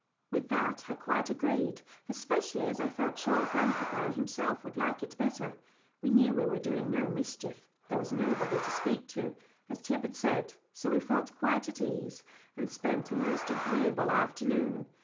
With that I quite agreed, especially as I felt sure grandpapa himself would like it better. We knew we were doing no mischief; there was nobody to speak to, as Tib had said, so we felt quite at ease, and spent a most agreeable afternoon.